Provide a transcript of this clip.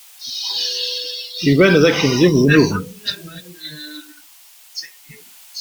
Iban dakken d imednuben.